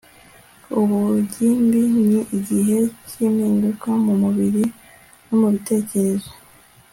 ubugimbi ni igihe k'impinduka mu mubiri no mu bitekerezo